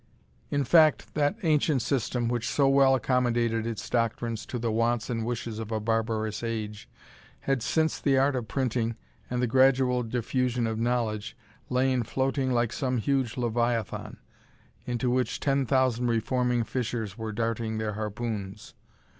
In fact, that ancient system, which so well accommodated its doctrines to the wants and wishes of a barbarous age, had, since the art of printing, and the gradual diffusion of knowledge, lain floating like some huge Leviathan, into which ten thousand reforming fishers were darting their harpoons.